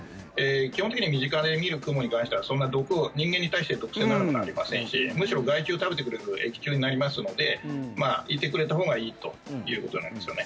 基本的には身近で見るクモに関してはそんな毒を人間に対して毒性のあるものはありませんしむしろ害虫を食べてくれる益虫になりますのでいてくれたほうがいいということになりますよね。